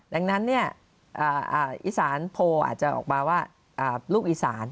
ดังนั้นอีสานโพลอาจจะออกมาว่าลูกอีสาน